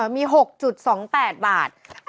มี๖๒๘บาท